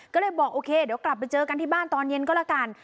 ก็เลยบอกโอเคเดี๋ยวกลับไปเจอกันที่บ้านตอนเย็นก็แล้วกัน